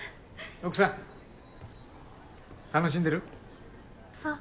奥さん楽しんでる？あっ。